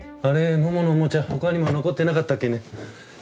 モモのおもちゃ他にも残ってなかったっけね。